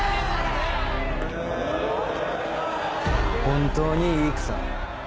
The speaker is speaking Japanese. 本当にいいくさ？